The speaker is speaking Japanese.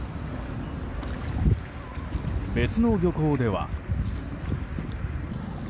別の漁港では。